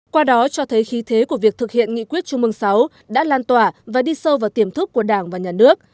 qua đó cho thấy khí thế của việc thực hiện nghị quyết trung mương sáu đã lan tỏa và đi sâu vào tiềm thức của đảng và nhà nước